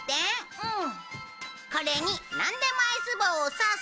うん！！